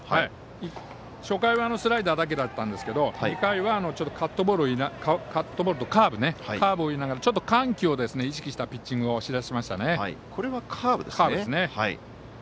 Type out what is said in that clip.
初回はスライダーだけだったんですけど２回は、カットボールとカーブを入れながらちょっと緩急を意識したピッチングをしだしましたね。